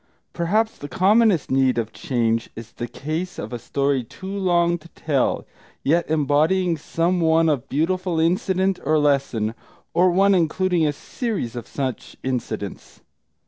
Perhaps the commonest need of change is in the case of a story too long to tell, yet embodying some one beautiful incident or lesson; or one including a series of such incidents.